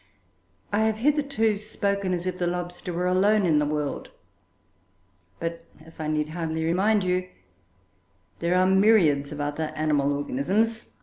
I have hitherto spoken as if the lobster were alone in the world, but, as I need hardly remind you, there are myriads of other animal organisms.